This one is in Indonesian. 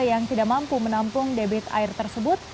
yang tidak mampu menampung debit air tersebut